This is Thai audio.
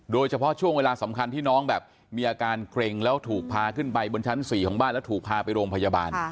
ช่วงเวลาสำคัญที่น้องแบบมีอาการเกร็งแล้วถูกพาขึ้นไปบนชั้น๔ของบ้านแล้วถูกพาไปโรงพยาบาล